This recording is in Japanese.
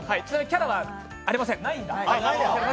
キャラはありません。